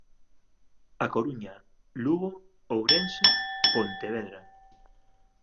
A Coruña, Lugo, Ourense, Pontevedra